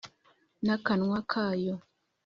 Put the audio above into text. n'akanwa kayo